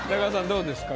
どうですか？